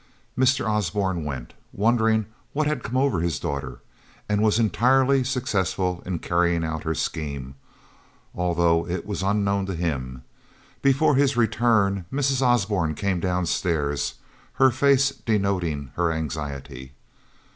Mr. Osborne went, wondering what had come over his daughter, and was entirely successful in carrying out her scheme, although it was unknown to him. Before his return, Mrs. Osborne came downstairs, her face denoting her anxiety.